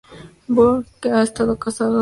Burke ha estado casado dos veces.